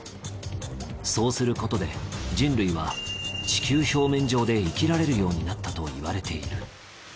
そうすることで人類は地球表面上で生きられるようになったといわれている。